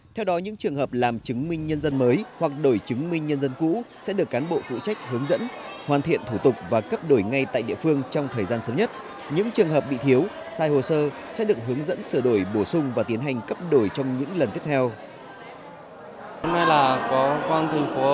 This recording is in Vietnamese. theo đó những trường hợp làm chứng minh nhân dân mới hoặc đổi chứng minh nhân dân cũ sẽ được cán bộ phụ trách hướng dẫn hoàn thiện thủ tục và cấp đổi ngay tại địa phương trong thời gian sớm nhất những trường hợp bị thiếu sai hồ sơ sẽ được hướng dẫn sửa đổi bổ sung và tiến hành cấp đổi trong những lần tiếp theo